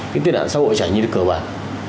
cái tai nạn xã hội trải nhiệt cờ bản